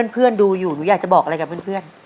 ดูอยู่หนูอยากจะบอกอะไรกับเพื่อน